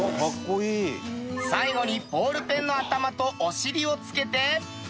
最後にボールペンの頭とお尻を付けて。